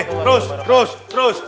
terus terus terus